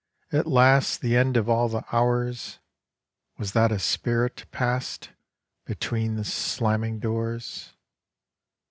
At last The end of all the hours. Was that a Spirit pass'd Between the slamming doors?